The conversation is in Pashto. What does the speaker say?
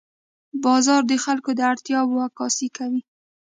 بازار د خلکو د اړتیاوو عکاسي کوي.